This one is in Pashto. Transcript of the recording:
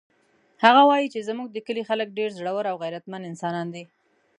هغه وایي چې زموږ د کلي خلک ډېر زړور او غیرتمن انسانان دي